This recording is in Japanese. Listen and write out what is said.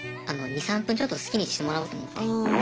２３分ちょっと好きにしてもらおうと思って。